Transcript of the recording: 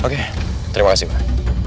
oke terima kasih pak